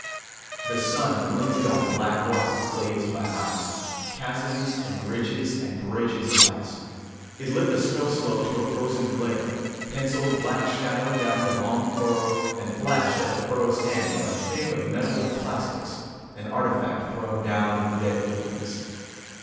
The sun glinted on black rock glazed by ice, chasms and ridges and bridges of ice. It lit the snow slope to a frozen glare, penciled black shadow down the long furrow, and flashed at the furrow's end on a thing of metal and plastics, an artifact thrown down in the dead wilderness.